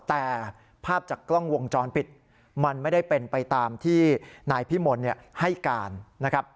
แต่ภาพจากกล้องวงจรปิดมันไม่ได้เป็นไปตามที่นายพิมลให้การนะครับ